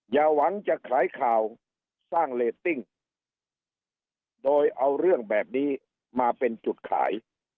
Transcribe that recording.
อย่าหวังจะขายข่าวสร้างเรตติ้งโดยเอาเรื่องแบบนี้มาเป็นจุดขาย